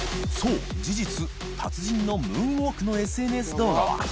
磴修事実達人のムーンウォークのＳＮＳ動画はこε